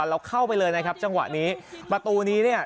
เราเข้าไปเลยนะครับจังหวะนี้ประตูนี้เนี่ย